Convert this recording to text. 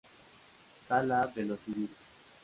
Sala De Lo Civil.